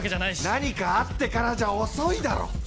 何かあってからじゃ遅いだろ！